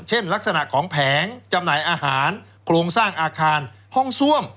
ลักษณะของแผงจำหน่ายอาหารโครงสร้างอาคารห้องซ่วม